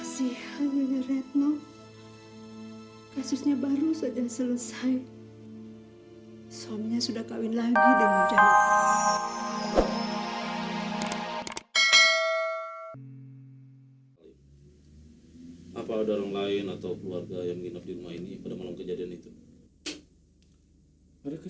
sampai jumpa di video selanjutnya